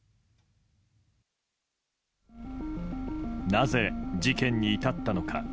なぜ事件に至ったのか。